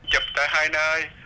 chụp tại hai nơi